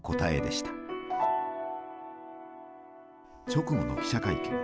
直後の記者会見。